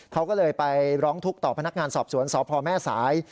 เขาก็เลยไปร้องทุกข์ต่อพนักงานสอบสวนสพแม่สาย